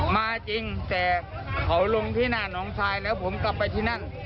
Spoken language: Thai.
มาจริงแต่เขาลงที่หน้าน้องทรายแล้วผมกลับไปที่นั่น